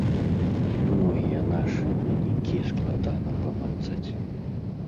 Многія нашы вынікі складана памацаць.